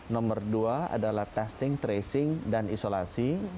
nomor dua adalah testing tracing dan isolasi